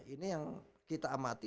ini yang kita amati